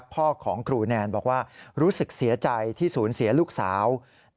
พ่อของครูแนนบอกว่ารู้สึกเสียใจที่สูญเสียลูกสาว